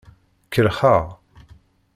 Kellxeɣ.